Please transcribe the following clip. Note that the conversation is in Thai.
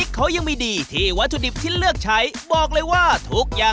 ข้าวเหนียวมูนได้ไหมคะ